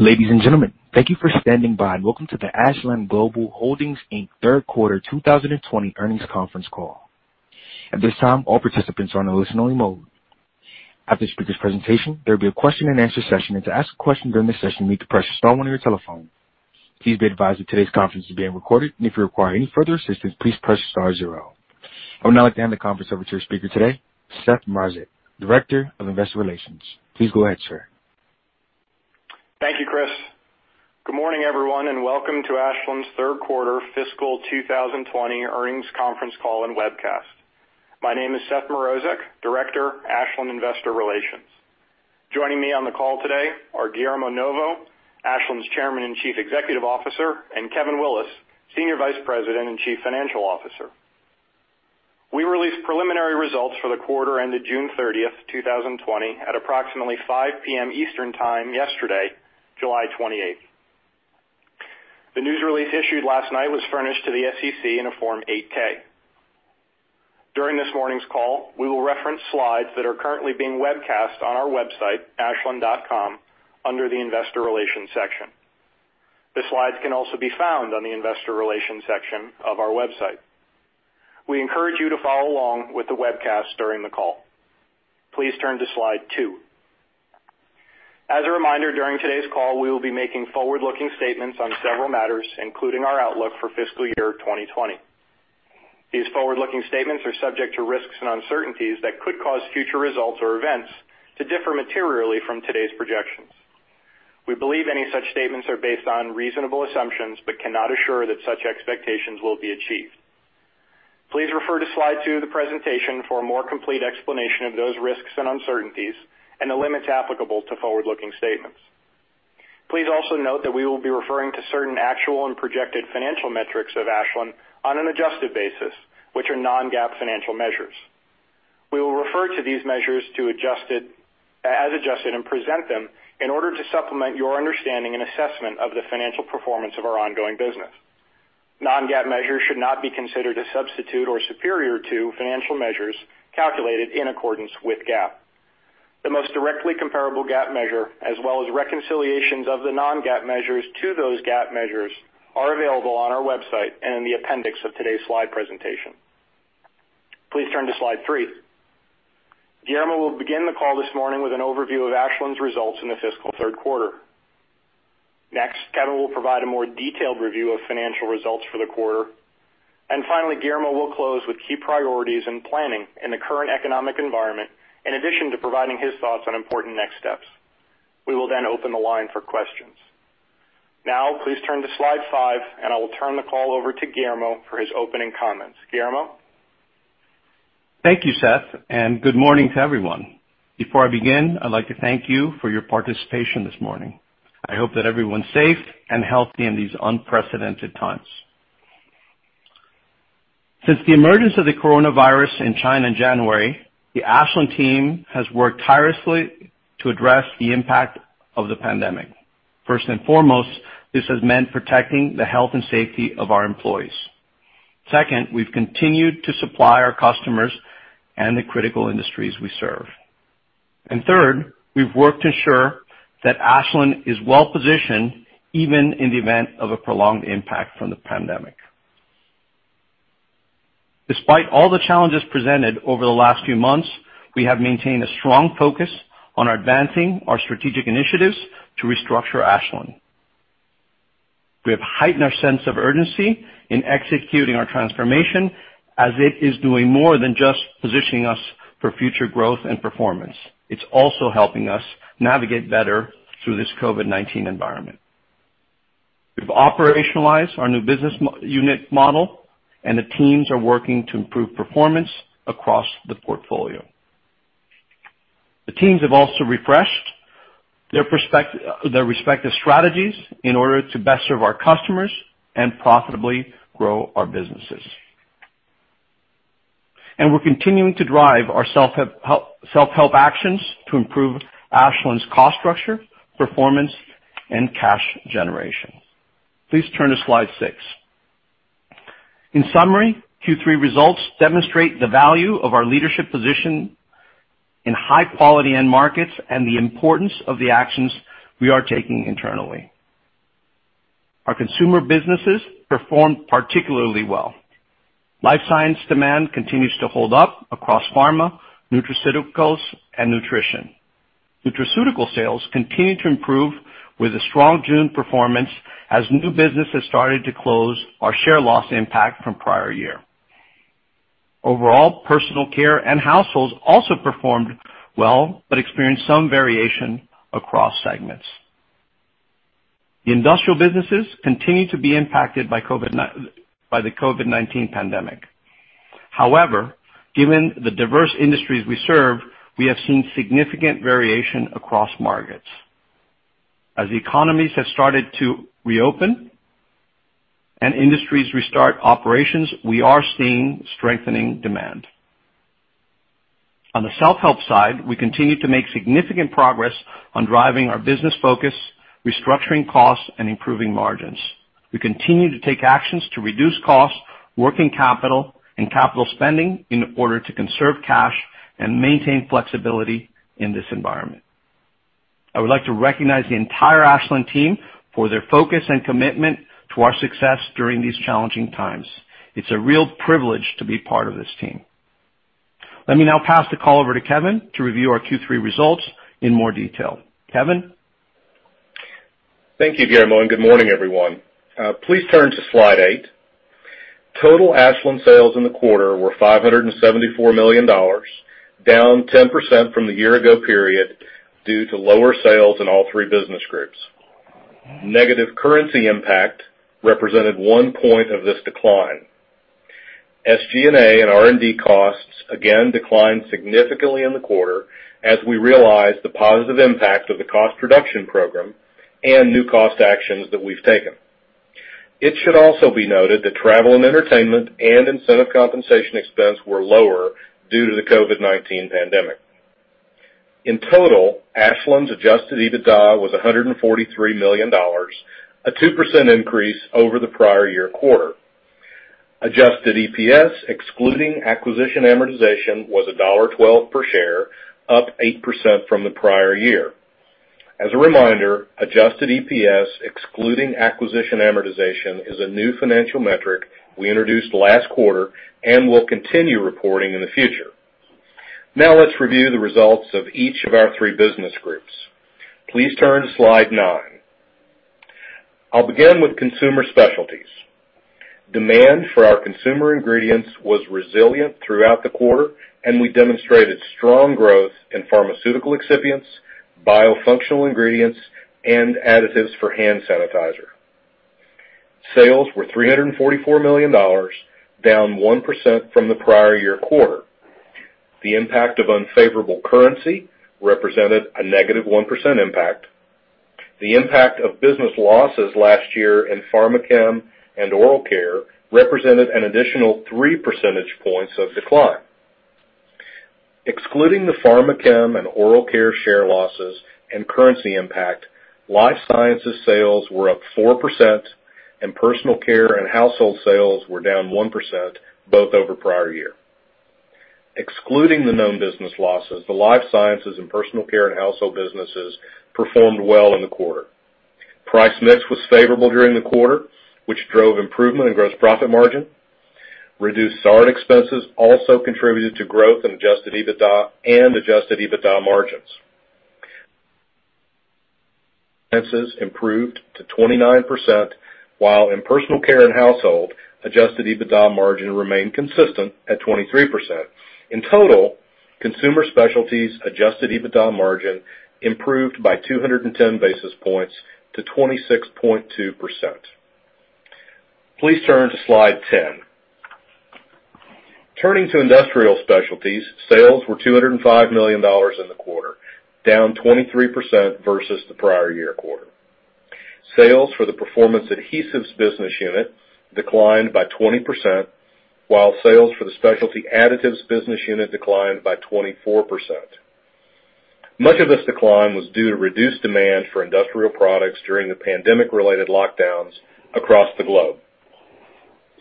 Ladies and gentlemen, thank you for standing by and welcome to the Ashland Global Holdings Inc. third quarter 2020 earnings conference call. At this time, all participants are on a listen-only mode. After the speakers' presentation, there will be a question-and-answer session, and to ask a question during the session, you need to press star one on your telephone. Please be advised that today's conference is being recorded, and if you require any further assistance, please press star zero. I would now like to hand the conference over to your speaker today, Seth Mrozek, Director of Investor Relations. Please go ahead, sir. Thank you, Chris. Good morning, everyone, and welcome to Ashland's third quarter fiscal 2020 earnings conference call and webcast. My name is Seth Mrozek, Director, Ashland Investor Relations. Joining me on the call today are Guillermo Novo, Ashland's Chairman and Chief Executive Officer, and Kevin Willis, Senior Vice President and Chief Financial Officer. We released preliminary results for the quarter ended June 30th, 2020, at approximately 5:00 P.M. Eastern Time yesterday, July 28th. The news release issued last night was furnished to the SEC in a Form 8-K. During this morning's call, we will reference slides that are currently being webcast on our website, ashland.com, under the investor relations section. The slides can also be found on the investor relations section of our website. We encourage you to follow along with the webcast during the call. Please turn to slide two. As a reminder, during today's call, we will be making forward-looking statements on several matters, including our outlook for fiscal year 2020. These forward-looking statements are subject to risks and uncertainties that could cause future results or events to differ materially from today's projections. We believe any such statements are based on reasonable assumptions but cannot assure that such expectations will be achieved. Please refer to slide two of the presentation for a more complete explanation of those risks and uncertainties and the limits applicable to forward-looking statements. Please also note that we will be referring to certain actual and projected financial metrics of Ashland on an adjusted basis, which are non-GAAP financial measures. We will refer to these measures as adjusted and present them in order to supplement your understanding and assessment of the financial performance of our ongoing business. Non-GAAP measures should not be considered a substitute or superior to financial measures calculated in accordance with GAAP. The most directly comparable GAAP measure, as well as reconciliations of the non-GAAP measures to those GAAP measures, are available on our website and in the appendix of today's slide presentation. Please turn to slide three. Guillermo will begin the call this morning with an overview of Ashland's results in the fiscal third quarter. Next, Kevin will provide a more detailed review of financial results for the quarter. Finally, Guillermo will close with key priorities and planning in the current economic environment, in addition to providing his thoughts on important next steps. We will open the line for questions. Now, please turn to slide five, and I will turn the call over to Guillermo for his opening comments. Guillermo? Thank you, Seth. Good morning to everyone. Before I begin, I'd like to thank you for your participation this morning. I hope that everyone's safe and healthy in these unprecedented times. Since the emergence of the coronavirus in China in January, the Ashland team has worked tirelessly to address the impact of the pandemic. First and foremost, this has meant protecting the health and safety of our employees. Second, we've continued to supply our customers and the critical industries we serve. Third, we've worked to ensure that Ashland is well-positioned, even in the event of a prolonged impact from the pandemic. Despite all the challenges presented over the last few months, we have maintained a strong focus on advancing our strategic initiatives to restructure Ashland. We have heightened our sense of urgency in executing our transformation, as it is doing more than just positioning us for future growth and performance. It's also helping us navigate better through this COVID-19 environment. We've operationalized our new business unit model. The teams are working to improve performance across the portfolio. The teams have also refreshed their respective strategies in order to best serve our customers and profitably grow our businesses. We're continuing to drive our self-help actions to improve Ashland's cost structure, performance, and cash generation. Please turn to slide six. In summary, Q3 results demonstrate the value of our leadership position in high-quality end markets and the importance of the actions we are taking internally. Our consumer businesses performed particularly well. Life Science demand continues to hold up across pharma, nutraceuticals, and nutrition. Nutraceutical sales continued to improve with a strong June performance as new business has started to close our share loss impact from prior year. Overall, Personal Care and Households also performed well but experienced some variation across segments. Industrial businesses continue to be impacted by the COVID-19 pandemic. Given the diverse industries we serve, we have seen significant variation across markets. As economies have started to reopen and industries restart operations, we are seeing strengthening demand. On the self-help side, we continue to make significant progress on driving our business focus, restructuring costs, and improving margins. We continue to take actions to reduce costs, working capital, and capital spending in order to conserve cash and maintain flexibility in this environment. I would like to recognize the entire Ashland team for their focus and commitment to our success during these challenging times. It's a real privilege to be part of this team. Let me now pass the call over to Kevin to review our Q3 results in more detail. Kevin? Thank you, Guillermo, and good morning, everyone. Please turn to slide eight. Total Ashland sales in the quarter were $574 million, down 10% from the year ago period due to lower sales in all three business groups. Negative currency impact represented one point of this decline. SG&A and R&D costs again declined significantly in the quarter as we realized the positive impact of the cost reduction program and new cost actions that we've taken. It should also be noted that travel and entertainment and incentive compensation expense were lower due to the COVID-19 pandemic. In total, Ashland's adjusted EBITDA was $143 million, a 2% increase over the prior year quarter. Adjusted EPS, excluding acquisition amortization, was $1.12 per share, up 8% from the prior year. As a reminder, adjusted EPS excluding acquisition amortization is a new financial metric we introduced last quarter and will continue reporting in the future. Now, let's review the results of each of our three business groups. Please turn to slide nine. I'll begin with Consumer Specialties. Demand for our consumer ingredients was resilient throughout the quarter, and we demonstrated strong growth in pharmaceutical excipients, biofunctional ingredients, and additives for hand sanitizer. Sales were $344 million, down 1% from the prior year quarter. The impact of unfavorable currency represented a negative 1% impact. The impact of business losses last year in Pharmachem and oral care represented an additional 3 percentage points of decline. Excluding the Pharmachem and oral care share losses and currency impact, Life Sciences sales were up 4%, and Personal Care and Household sales were down 1%, both over prior year. Excluding the known business losses, the Life Sciences and Personal Care and Household businesses performed well in the quarter. Price mix was favorable during the quarter, which drove improvement in gross profit margin. Reduced SARD expenses also contributed to growth in adjusted EBITDA and adjusted EBITDA margins. Expenses improved to 29%, while in Personal Care and Household, adjusted EBITDA margin remained consistent at 23%. In total, Consumer Specialties adjusted EBITDA margin improved by 210 basis points to 26.2%. Please turn to slide 10. Turning to Industrial Specialties, sales were $205 million in the quarter, down 23% versus the prior year quarter. Sales for the Performance Adhesives business unit declined by 20%, while sales for the Specialty Additives business unit declined by 24%. Much of this decline was due to reduced demand for industrial products during the pandemic-related lockdowns across the globe.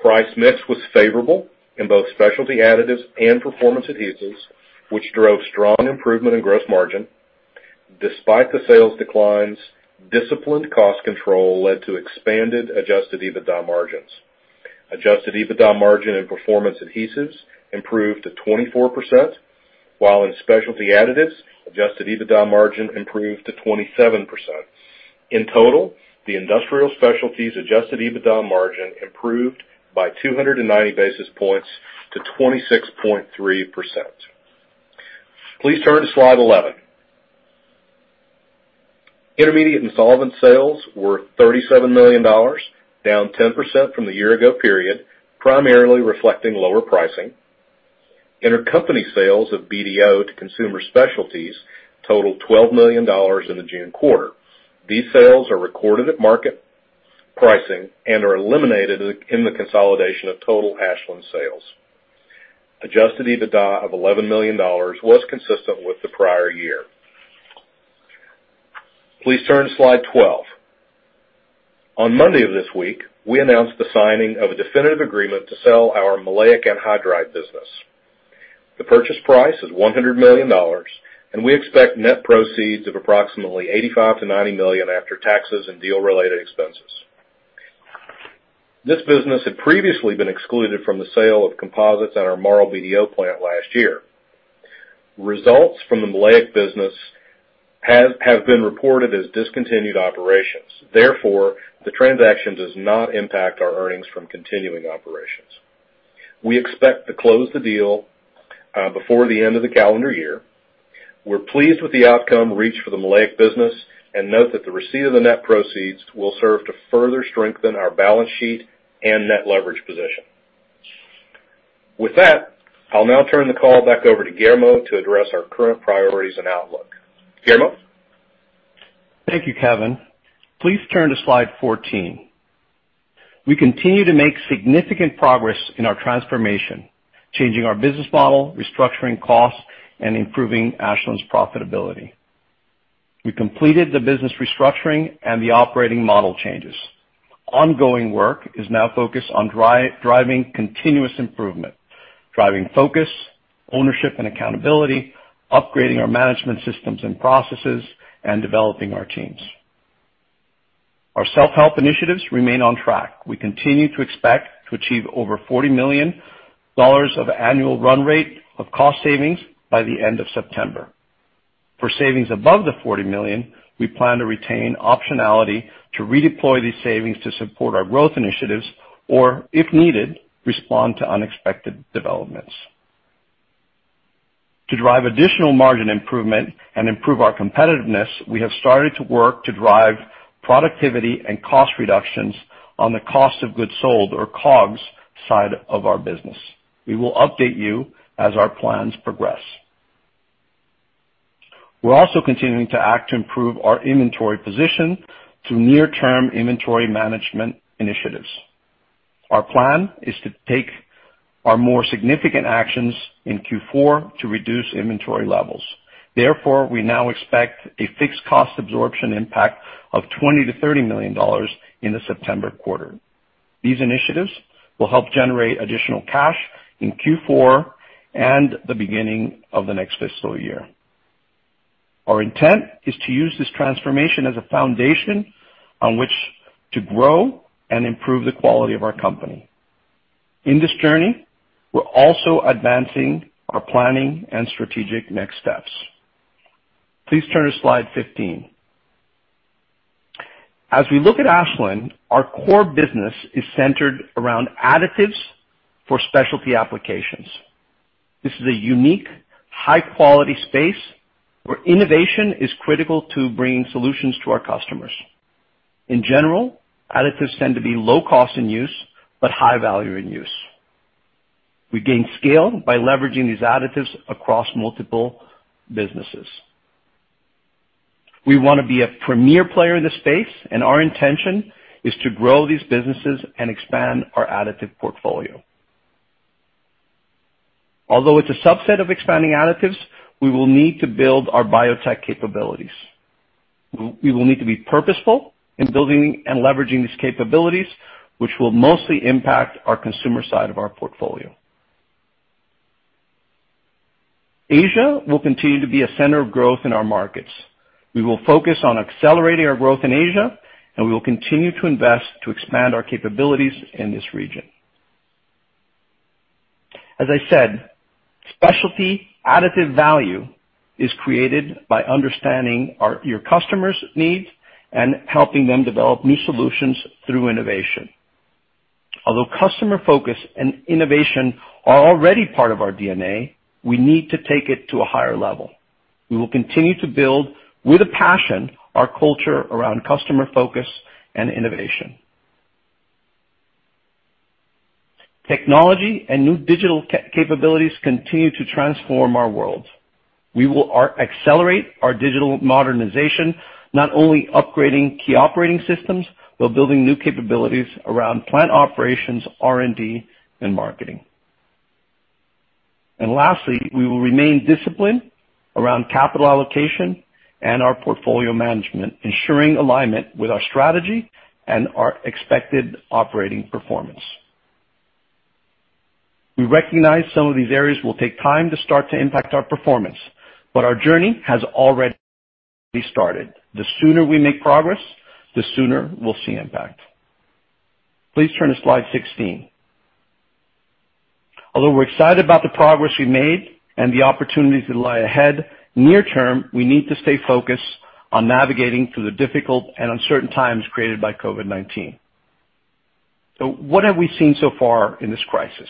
Price mix was favorable in both Specialty Additives and Performance Adhesives, which drove strong improvement in gross margin. Despite the sales declines, disciplined cost control led to expanded adjusted EBITDA margins. Adjusted EBITDA margin in Performance Adhesives improved to 24%, while in Specialty Additives, adjusted EBITDA margin improved to 27%. In total, the Industrial Specialties adjusted EBITDA margin improved by 290 basis points to 26.3%. Please turn to slide 11. Intermediates and Solvents sales were $37 million, down 10% from the year ago period, primarily reflecting lower pricing. Intercompany sales of BDO to Consumer Specialties totaled $12 million in the June quarter. These sales are recorded at market pricing and are eliminated in the consolidation of total Ashland sales. Adjusted EBITDA of $11 million was consistent with the prior year. Please turn to slide 12. On Monday of this week, we announced the signing of a definitive agreement to sell our maleic anhydride business. The purchase price is $100 million, and we expect net proceeds of approximately $85 million-$90 million after taxes and deal related expenses. This business had previously been excluded from the sale of composites at our Marl BDO plant last year. Results from the maleic business have been reported as discontinued operations. Therefore, the transaction does not impact our earnings from continuing operations. We expect to close the deal before the end of the calendar year. We're pleased with the outcome reached for the maleic business and note that the receipt of the net proceeds will serve to further strengthen our balance sheet and net leverage position. With that, I'll now turn the call back over to Guillermo to address our current priorities and outlook. Guillermo? Thank you, Kevin. Please turn to slide 14. We continue to make significant progress in our transformation, changing our business model, restructuring costs, and improving Ashland's profitability. We completed the business restructuring and the operating model changes. Ongoing work is now focused on driving continuous improvement, driving focus, ownership, and accountability, upgrading our management systems and processes, and developing our teams. Our self-help initiatives remain on track. We continue to expect to achieve over $40 million of annual run rate of cost savings by the end of September. For savings above the $40 million, we plan to retain optionality to redeploy these savings to support our growth initiatives or, if needed, respond to unexpected developments. To drive additional margin improvement and improve our competitiveness, we have started to work to drive productivity and cost reductions on the cost of goods sold, or COGS, side of our business. We will update you as our plans progress. We're also continuing to act to improve our inventory position through near-term inventory management initiatives. Our plan is to take our more significant actions in Q4 to reduce inventory levels. Therefore, we now expect a fixed cost absorption impact of $20 million-$30 million in the September quarter. These initiatives will help generate additional cash in Q4 and the beginning of the next fiscal year. Our intent is to use this transformation as a foundation on which to grow and improve the quality of our company. In this journey, we're also advancing our planning and strategic next steps. Please turn to slide 15. As we look at Ashland, our core business is centered around additives for specialty applications. This is a unique, high-quality space where innovation is critical to bringing solutions to our customers. In general, additives tend to be low cost in use but high value in use. We gain scale by leveraging these additives across multiple businesses. We want to be a premier player in this space. Our intention is to grow these businesses and expand our additive portfolio. Although it's a subset of expanding additives, we will need to build our biotech capabilities. We will need to be purposeful in building and leveraging these capabilities, which will mostly impact our consumer side of our portfolio. Asia will continue to be a center of growth in our markets. We will focus on accelerating our growth in Asia. We will continue to invest to expand our capabilities in this region. As I said, Specialty Additive value is created by understanding your customers' needs and helping them develop new solutions through innovation. Although customer focus and innovation are already part of our DNA, we need to take it to a higher level. We will continue to build, with a passion, our culture around customer focus and innovation. Technology and new digital capabilities continue to transform our world. We will accelerate our digital modernization, not only upgrading key operating systems, but building new capabilities around plant operations, R&D, and marketing. Lastly, we will remain disciplined around capital allocation and our portfolio management, ensuring alignment with our strategy and our expected operating performance. We recognize some of these areas will take time to start to impact our performance, but our journey has already started. The sooner we make progress, the sooner we'll see impact. Please turn to slide 16. Although we're excited about the progress we've made and the opportunities that lie ahead, near-term, we need to stay focused on navigating through the difficult and uncertain times created by COVID-19. What have we seen so far in this crisis?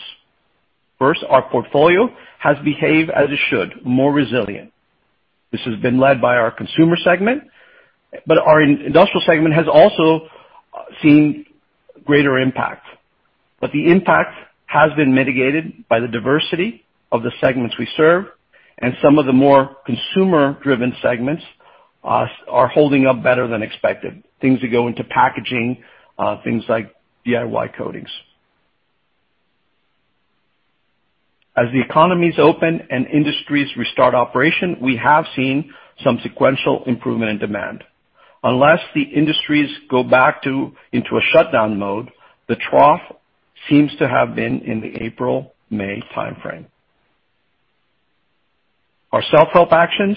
First, our portfolio has behaved as it should, more resilient. This has been led by our consumer segment, our industrial segment has also seen greater impact. The impact has been mitigated by the diversity of the segments we serve, some of the more consumer-driven segments are holding up better than expected. Things that go into packaging, things like DIY coatings. As the economies open and industries restart operation, we have seen some sequential improvement in demand. Unless the industries go back into a shutdown mode, the trough seems to have been in the April, May timeframe. Our self-help actions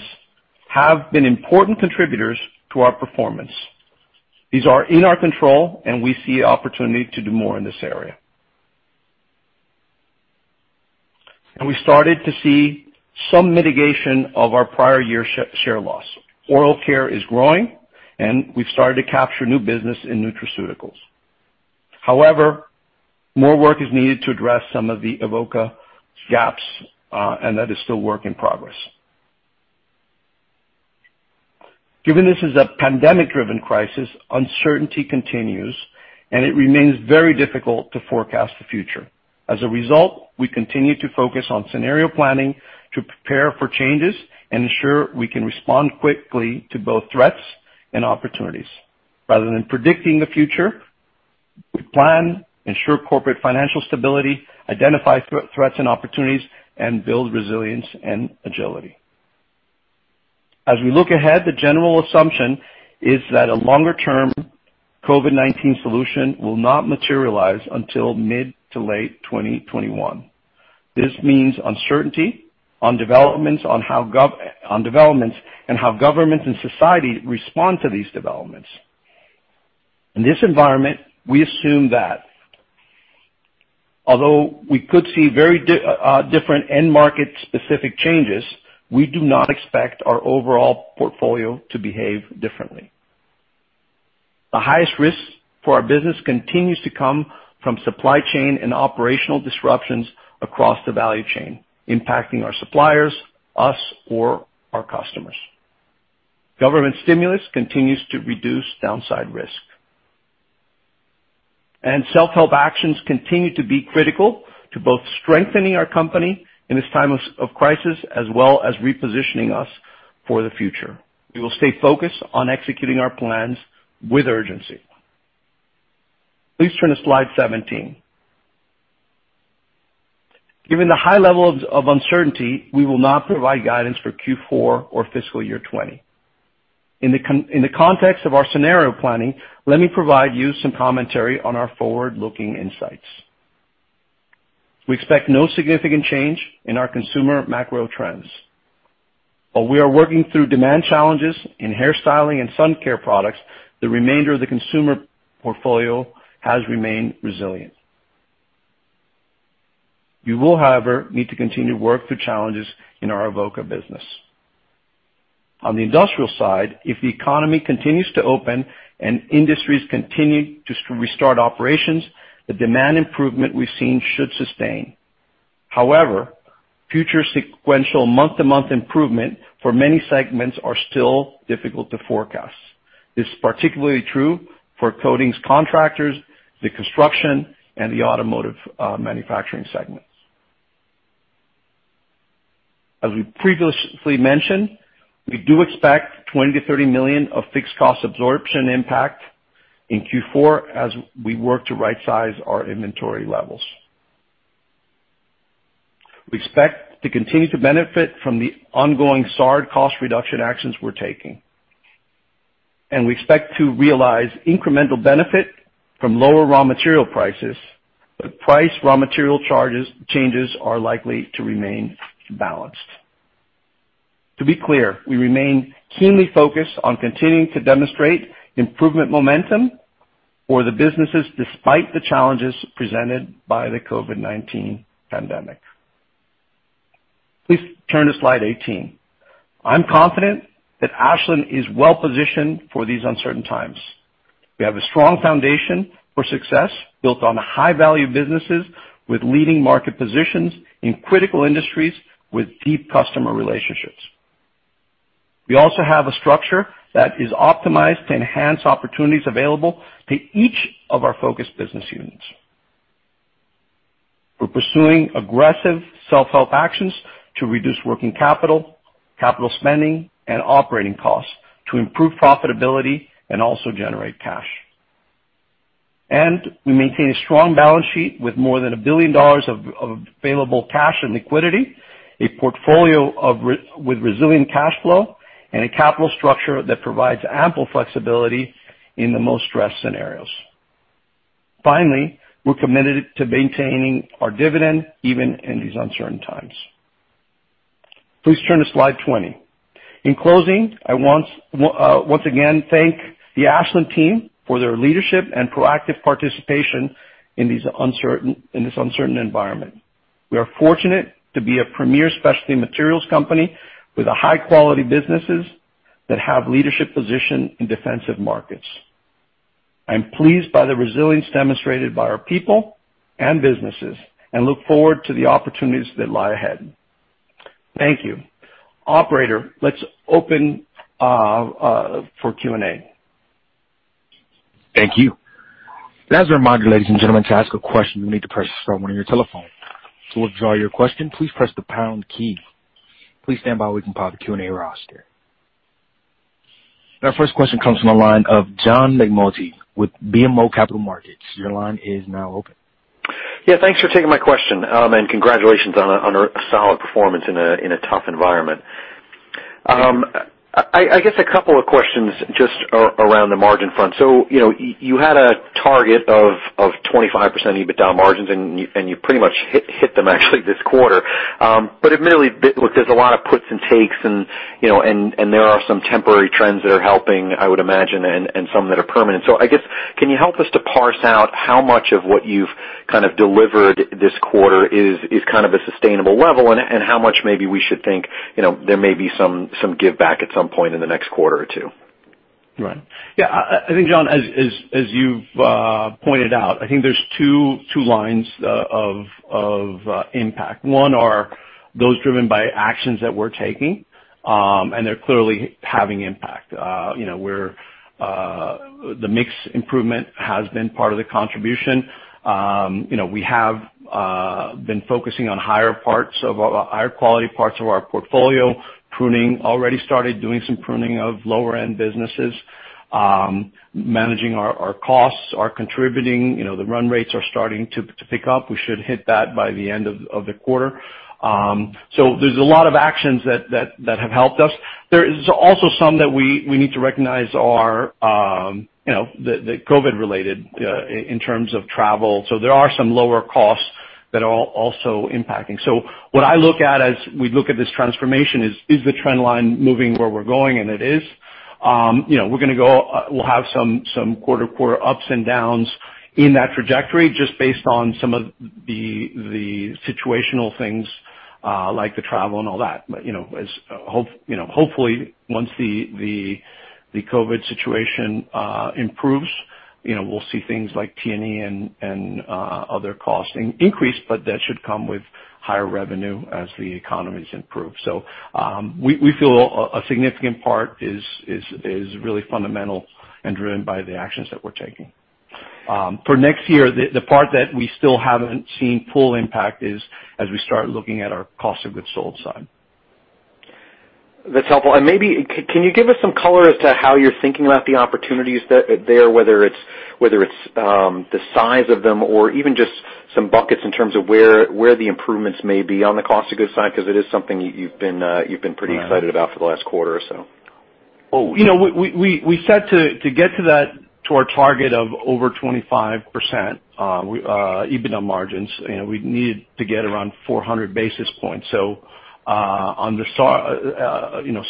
have been important contributors to our performance. These are in our control, and we see opportunity to do more in this area. We started to see some mitigation of our prior year share loss. Oral care is growing, and we've started to capture new business in nutraceuticals. However, more work is needed to address some of the Avoca gaps, and that is still work in progress. Given this is a pandemic-driven crisis, uncertainty continues, and it remains very difficult to forecast the future. As a result, we continue to focus on scenario planning to prepare for changes and ensure we can respond quickly to both threats and opportunities. Rather than predicting the future, we plan, ensure corporate financial stability, identify threats and opportunities, and build resilience and agility. As we look ahead, the general assumption is that a longer-term COVID-19 solution will not materialize until mid to late 2021. This means uncertainty on developments and how governments and society respond to these developments. In this environment, we assume that although we could see very different end market-specific changes, we do not expect our overall portfolio to behave differently. The highest risk for our business continues to come from supply chain and operational disruptions across the value chain, impacting our suppliers, us, or our customers. Government stimulus continues to reduce downside risk. Self-help actions continue to be critical to both strengthening our company in this time of crisis, as well as repositioning us for the future. We will stay focused on executing our plans with urgency. Please turn to slide 17. Given the high level of uncertainty, we will not provide guidance for Q4 or fiscal year 2020. In the context of our scenario planning, let me provide you some commentary on our forward-looking insights. We expect no significant change in our consumer macro trends. While we are working through demand challenges in hair styling and sun care products, the remainder of the consumer portfolio has remained resilient. We will, however, need to continue to work through challenges in our Avoca business. On the industrial side, if the economy continues to open and industries continue to restart operations, the demand improvement we've seen should sustain. However, future sequential month-to-month improvement for many segments are still difficult to forecast. This is particularly true for coatings contractors, the construction, and the automotive manufacturing segments. As we previously mentioned, we do expect $20 million-$30 million of fixed cost absorption impact in Q4 as we work to right-size our inventory levels. We expect to continue to benefit from the ongoing SARD cost reduction actions we're taking, and we expect to realize incremental benefit from lower raw material prices, but price raw material changes are likely to remain balanced. To be clear, we remain keenly focused on continuing to demonstrate improvement momentum for the businesses, despite the challenges presented by the COVID-19 pandemic. Please turn to slide 18. I'm confident that Ashland is well-positioned for these uncertain times. We have a strong foundation for success built on high-value businesses with leading market positions in critical industries with deep customer relationships. We also have a structure that is optimized to enhance opportunities available to each of our focus business units. We're pursuing aggressive self-help actions to reduce working capital spending, and operating costs to improve profitability and also generate cash. We maintain a strong balance sheet with more than $1 billion of available cash and liquidity, a portfolio with resilient cash flow, and a capital structure that provides ample flexibility in the most stressed scenarios. Finally, we're committed to maintaining our dividend even in these uncertain times. Please turn to slide 20. In closing, I want to once again thank the Ashland team for their leadership and proactive participation in this uncertain environment. We are fortunate to be a premier specialty materials company with high-quality businesses that have a leadership position in defensive markets. I am pleased by the resilience demonstrated by our people and businesses and look forward to the opportunities that lie ahead. Thank you. Operator, let's open for Q&A. Thank you. As a reminder, ladies and gentlemen, to ask a question, you'll need to press star on your telephone. To withdraw your question, please press the pound key. Please stand by while we compile the Q&A roster. Our first question comes from the line of John McNulty with BMO Capital Markets. Your line is now open. Yeah, thanks for taking my question, and congratulations on a solid performance in a tough environment. Thank you. I guess a couple of questions just around the margin front. You had a target of 25% EBITDA margins, and you pretty much hit them actually this quarter. Admittedly, there's a lot of puts and takes and there are some temporary trends that are helping, I would imagine, and some that are permanent. I guess, can you help us to parse out how much of what you've kind of delivered this quarter is a sustainable level, and how much maybe we should think there may be some giveback at some point in the next quarter or two? Right. Yeah. I think, John, as you've pointed out, I think there's two lines of impact. One are those driven by actions that we're taking, and they're clearly having impact. The mix improvement has been part of the contribution. We have been focusing on higher-quality parts of our portfolio, pruning. Already started doing some pruning of lower-end businesses. Managing our costs are contributing. The run rates are starting to pick up. We should hit that by the end of the quarter. There's a lot of actions that have helped us. There is also some that we need to recognize are COVID related in terms of travel. There are some lower costs that are also impacting. What I look at as we look at this transformation is the trend line moving where we're going, and it is. We'll have some quarter-to-quarter ups and downs in that trajectory, just based on some of the situational things like the travel and all that. Hopefully once the COVID situation improves, we'll see things like T&E and other costs increase, but that should come with higher revenue as the economies improve. We feel a significant part is really fundamental and driven by the actions that we're taking. For next year, the part that we still haven't seen full impact is as we start looking at our cost of goods sold side. That's helpful. Maybe, can you give us some color as to how you're thinking about the opportunities there, whether it's the size of them or even just some buckets in terms of where the improvements may be on the cost of goods side? It is something you've been pretty excited about for the last quarter or so. We said to get to that to our target of over 25% EBITDA margins, we need to get around 400 basis points. On the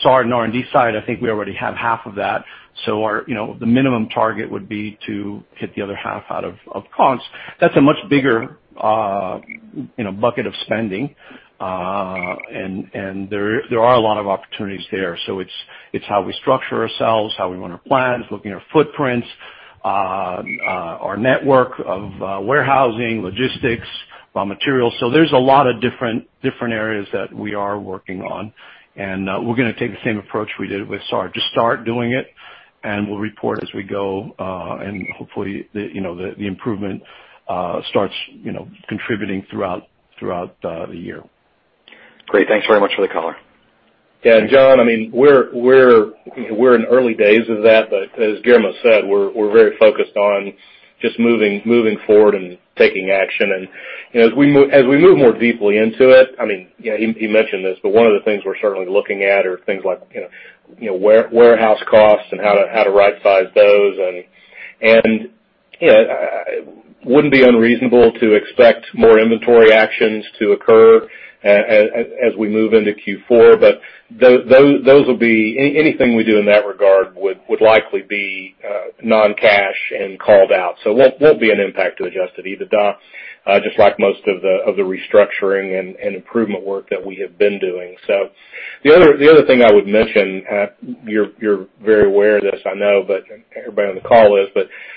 SARD and R&D side, I think we already have half of that. The minimum target would be to hit the other half out of costs. That's a much bigger bucket of spending, and there are a lot of opportunities there. It's how we structure ourselves, how we run our plants, looking at our footprints, our network of warehousing, logistics, raw materials. There's a lot of different areas that we are working on. We're going to take the same approach we did with SARD, just start doing it, and we'll report as we go. Hopefully the improvement starts contributing throughout the year. Great. Thanks very much for the color. Yeah, John, we're in early days of that, but as Guillermo said, we're very focused on just moving forward and taking action. As we move more deeply into it, he mentioned this, but one of the things we're certainly looking at are things like warehouse costs and how to right size those. It wouldn't be unreasonable to expect more inventory actions to occur as we move into Q4, but anything we do in that regard would likely be non-cash and called out. Won't be an impact to adjusted EBITDA, just like most of the restructuring and improvement work that we have been doing. The other thing I would mention, you're very aware of this, I know, everybody on the call is,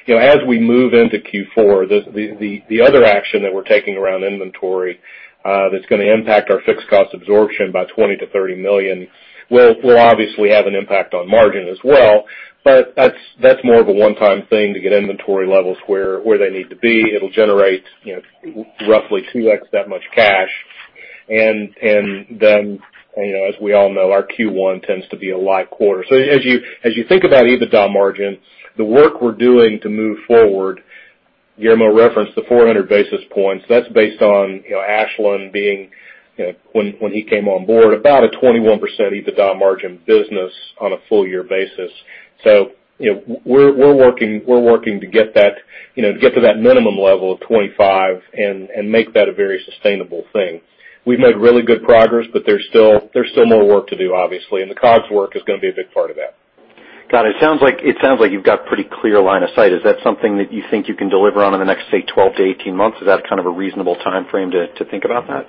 as we move into Q4, the other action that we're taking around inventory that's going to impact our fixed cost absorption by $20 million-$30 million, will obviously have an impact on margin as well. That's more of a one-time thing to get inventory levels where they need to be. It'll generate roughly 2x that much cash. As we all know, our Q1 tends to be a light quarter. As you think about EBITDA margin, the work we're doing to move forward, Guillermo referenced the 400 basis points. That's based on Ashland being, when he came on board, about a 21% EBITDA margin business on a full year basis. We're working to get to that minimum level of 25% and make that a very sustainable thing. We've made really good progress, but there's still more work to do, obviously, and the COGS work is going to be a big part of that. Got it. It sounds like you've got pretty clear line of sight. Is that something that you think you can deliver on in the next, say, 12-18 months? Is that a reasonable timeframe to think about that?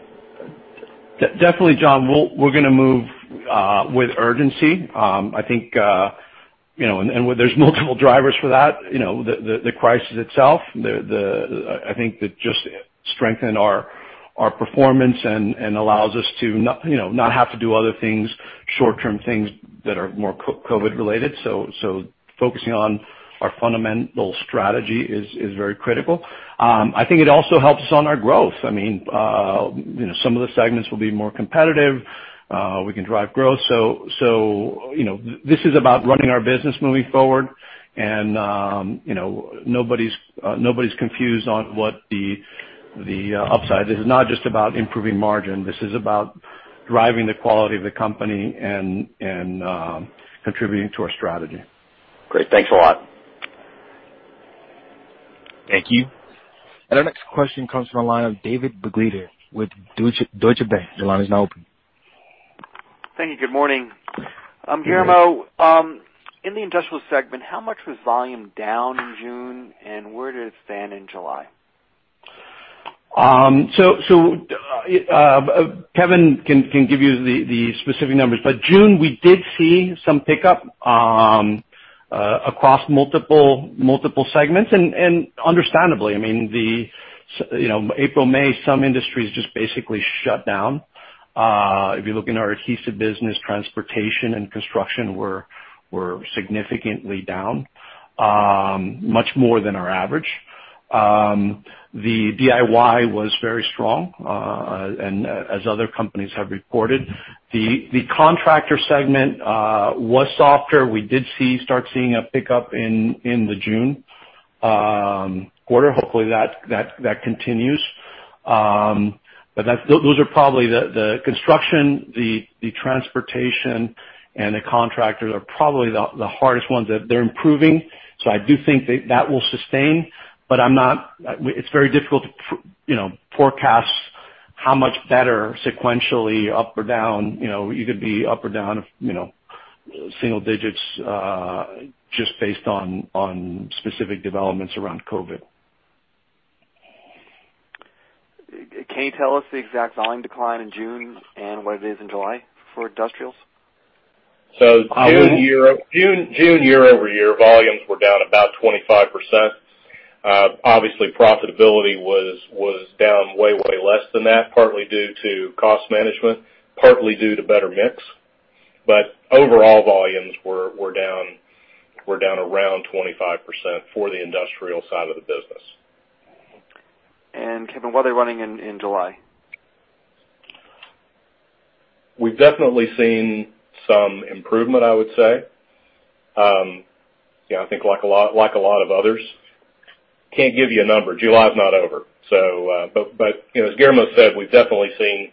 Definitely, John. We're going to move with urgency. There's multiple drivers for that. The crisis itself, I think that just strengthened our performance and allows us to not have to do other things, short-term things that are more COVID related. Focusing on our fundamental strategy is very critical. I think it also helps on our growth. Some of the segments will be more competitive. We can drive growth. This is about running our business moving forward, and nobody's confused on what the upside is. This is not just about improving margin. This is about driving the quality of the company and contributing to our strategy. Great. Thanks a lot. Thank you. Our next question comes from the line of David Begleiter with Deutsche Bank. Your line is now open. Thank you. Good morning. Good morning. Guillermo, in the industrial segment, how much was volume down in June, and where does it stand in July? Kevin can give you the specific numbers. June, we did see some pickup across multiple segments, and understandably. April, May, some industries just basically shut down. If you look in our adhesive business, transportation and construction were significantly down. Much more than our average. The DIY was very strong, as other companies have reported. The contractor segment was softer. We did start seeing a pickup in the June quarter. Hopefully, that continues. The construction, the transportation, and the contractors are probably the hardest ones. They're improving, so I do think that will sustain, but it's very difficult to forecast how much better sequentially, up or down. You could be up or down single digits, just based on specific developments around COVID. Can you tell us the exact volume decline in June and what it is in July for industrials? June year-over-year, volumes were down about 25%. Obviously, profitability was down way less than that, partly due to cost management, partly due to better mix. Overall volumes were down around 25% for the industrial side of the business. Kevin, what are they running in July? We've definitely seen some improvement, I would say. I think like a lot of others. Can't give you a number. July is not over. As Guillermo said, we've definitely seen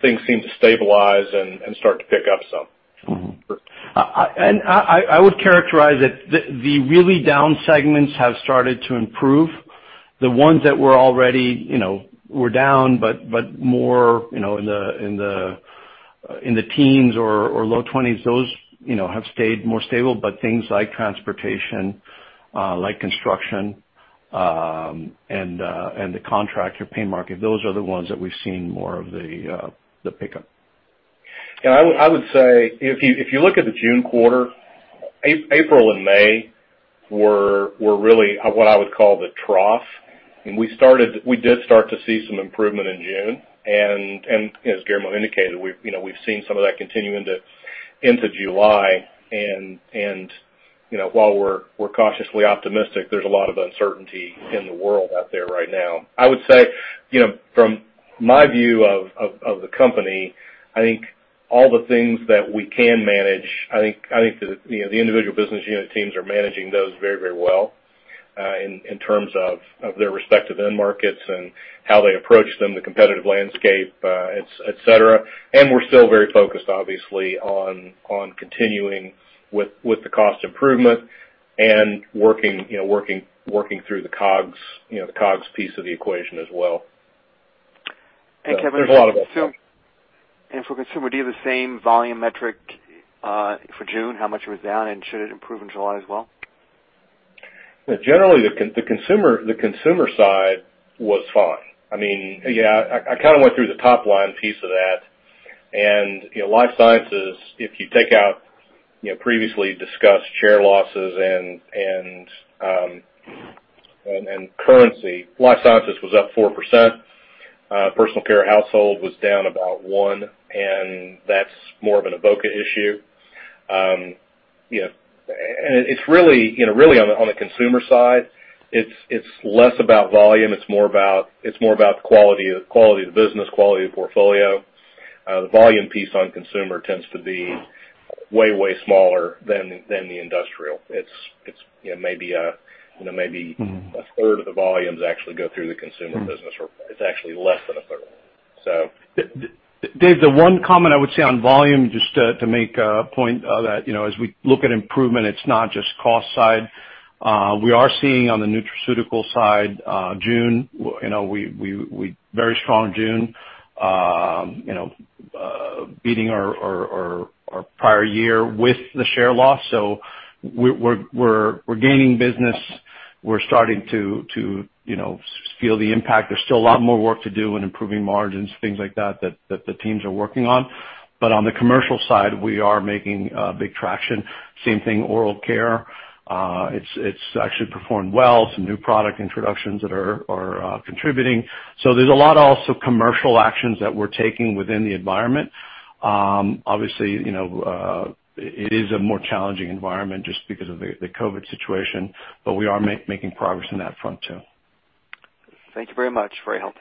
things seem to stabilize and start to pick up some. I would characterize it, the really down segments have started to improve. The ones that were already down, but more in the teens or low 20s, those have stayed more stable. Things like transportation, like construction, and the contractor paint market, those are the ones that we've seen more of the pickup. I would say, if you look at the June quarter, April and May were really what I would call the trough. We did start to see some improvement in June, and as Guillermo indicated, we've seen some of that continue into July, and while we're cautiously optimistic, there's a lot of uncertainty in the world out there right now. I would say, from my view of the company, I think all the things that we can manage, I think the individual business unit teams are managing those very well, in terms of their respective end markets and how they approach them, the competitive landscape, et cetera. We're still very focused, obviously, on continuing with the cost improvement and working through the COGS piece of the equation as well. There's a lot of upside. For consumer, do you have the same volume metric for June? How much it was down, and should it improve in July as well? Generally, the consumer side was fine. I kind of went through the top-line piece of that. Life Sciences, if you take out previously discussed share losses and currency, Life Sciences was up 4%. Personal Care, Household was down about 1%, and that's more of an Avoca issue. Really on the consumer side, it's less about volume, it's more about the quality of the business, quality of portfolio. The volume piece on consumer tends to be way smaller than the industrial. Maybe 1/3 of the volumes actually go through the consumer business. It's actually less than 1/3. Dave, the one comment I would say on volume, just to make a point that as we look at improvement, it's not just cost side. We are seeing on the nutraceutical side, June, very strong June, beating our prior year with the share loss. We're gaining business. We're starting to feel the impact. There's still a lot more work to do in improving margins, things like that the teams are working on. On the commercial side, we are making big traction. Same thing, oral care. It's actually performed well. Some new product introductions that are contributing. There's a lot also commercial actions that we're taking within the environment. Obviously, it is a more challenging environment just because of the COVID situation, we are making progress on that front too. Thank you very much for your help.